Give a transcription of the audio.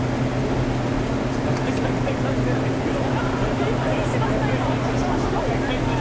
解散、解散してないですけど。